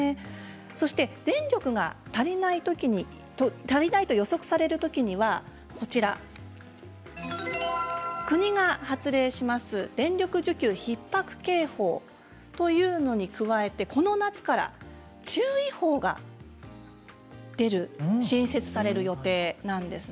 そして電力が足りないと予測されるときには国が発令する電力需給ひっ迫警報というのに加えてこの夏から注意報が新設される予定なんです。